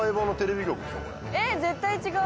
えっ絶対違う。